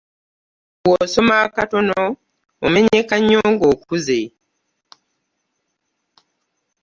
Bw'osoma akatono omenyeka nnyo ng'okuze.